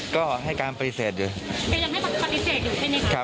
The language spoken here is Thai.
ก็ให้กามประติศาจค่ะ